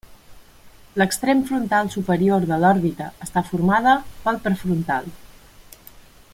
L'extrem frontal superior de l'òrbita està formada pel prefrontal.